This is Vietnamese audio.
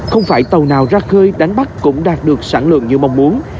không phải tàu nào ra khơi đánh bắt cũng đạt được sản lượng như mong muốn